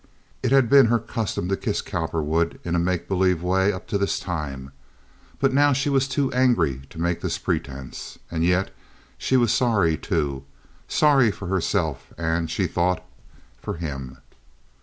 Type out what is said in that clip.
It had been her custom to kiss Cowperwood in a make believe way up to this time, but now she was too angry to make this pretense. And yet she was sorry, too—sorry for herself and, she thought, for him.